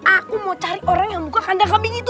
aku mau cari orang yang membuka kandang kambing itu